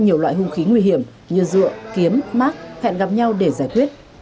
nhiều loại hung khí nguy hiểm như dựa kiếm mát hẹn gặp nhau để giải quyết